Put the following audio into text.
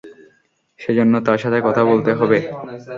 সেজন্য তার সাথে কথা বলতে হবে।